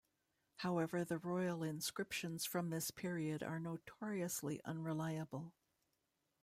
However, the royal inscriptions from this period are notoriously unreliable.